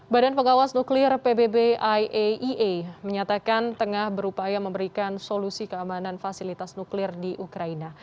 badan pengawas nuklir pbb iaea menyatakan tengah berupaya memberikan solusi keamanan fasilitas nuklir di ukraina